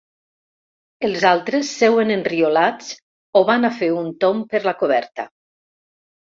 Els altres seuen enriolats o van a fer un tomb per la coberta.